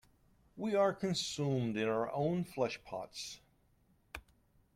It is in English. We are consumed in our own flesh-pots.